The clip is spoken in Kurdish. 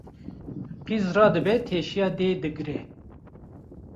Qîz radibe teşiya dê digre